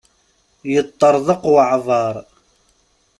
Yeṭṭerḍeq waɛbar.